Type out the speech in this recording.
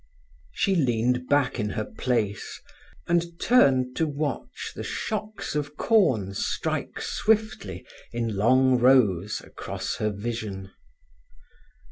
She leaned back in her place, and turned to watch at the shocks of corn strike swiftly, in long rows, across her vision.